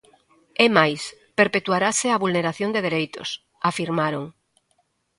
É máis, perpetuarase a vulneración de dereitos afirmaron.